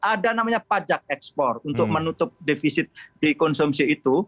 ada namanya pajak ekspor untuk menutup defisit dikonsumsi itu